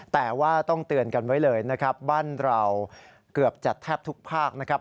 แต่ว่าต้องเตือนกันไว้เลยบ้านเราเกือบจะแทบทุกภาค